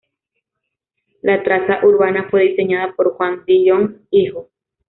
La traza urbana fue diseñada por Juan Dillon hijo.